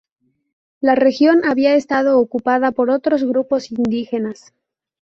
La región había estado ocupada por otros grupos indígenas.